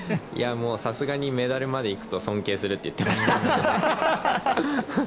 さすがにメダルまでいくと尊敬するって言っていました。